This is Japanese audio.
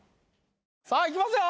さあいきますよ。